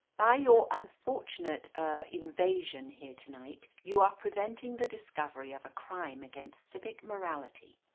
"By your unfortunate — er — ^invasion here to night you are preventing the discovery of a crime against civic morality.